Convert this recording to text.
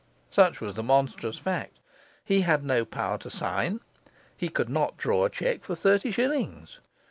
Such was the monstrous fact. He had no power to sign; he could not draw a cheque for thirty shillings.